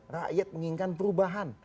rakyat menginginkan perubahan